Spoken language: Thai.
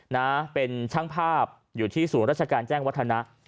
นะเป็นช่างภาพอยู่ที่ศูนย์ราชการแจ้งวัฒนะ